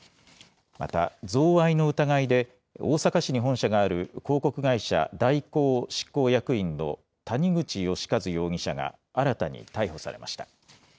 また、贈賄の疑いで大阪市に本社がある広告会社、大広執行役員の谷口義一容疑者が新たに逮捕されました。